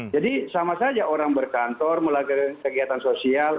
jadi sama saja orang berkantor melakukan kegiatan sosial